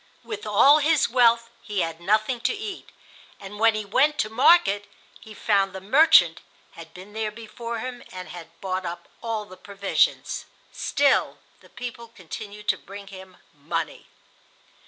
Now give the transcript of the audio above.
With all his wealth he had nothing to eat, and when he went to market he found the "merchant" had been there before him and had bought up all the provisions. Still, the people continued to bring him money.